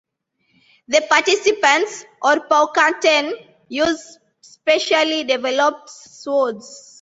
The participants, or "Paukanten", use specially developed swords.